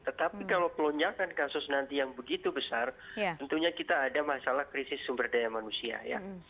tetapi kalau pelonjakan kasus nanti yang begitu besar tentunya kita ada masalah krisis sumber daya manusia ya